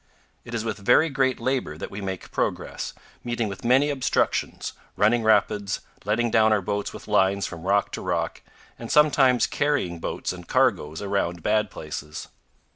It is with very great labor that we make progress, meeting with many obstructions, running rapids, letting down our boats with lines from rock to rock, and sometimes carrying boats and cargoes around bad places.